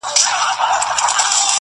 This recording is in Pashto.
• چي آسانه پر دې ښځي سي دردونه -